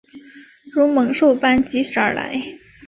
如猛兽般疾驶而来